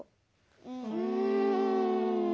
うん。